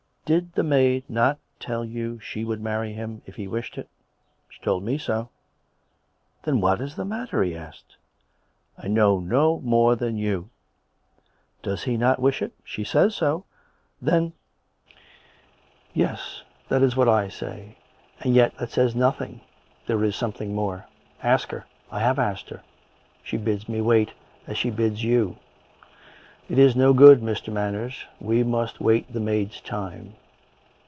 " Did the maid not tell you she would marry him, if he wished it.'' She told me so." " Then what is the matter? " he asked. " I know no more than you." " Does he not wish it.^* "" She says so." " Then "" Yes, that is what I say. And yet that says nothing. There is something more." " Ask her." " I have asked her. She bids me wait, as she bids you. It is no good, Mr. Manners. We must wait the maid's time."